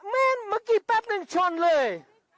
แม่นเมื่อกี้แป๊บหนึ่งชนเลย